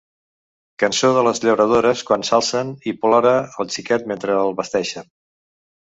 Cançó de les llauradores quan s’alcen i plora el xiquet mentre el vesteixen.